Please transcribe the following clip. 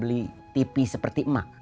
beli tv seperti emak